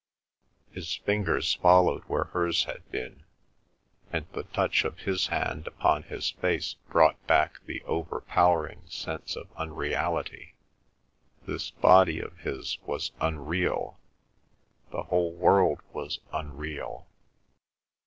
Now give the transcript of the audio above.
His fingers followed where hers had been, and the touch of his hand upon his face brought back the overpowering sense of unreality. This body of his was unreal; the whole world was unreal.